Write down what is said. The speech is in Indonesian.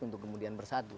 untuk kemudian bersatu